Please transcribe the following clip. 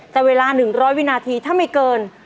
แต่เวลา๑๐๐วินาทีถ้าไม่เกิน